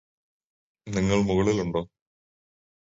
നിങ്ങള് മുകളിലുണ്ടോ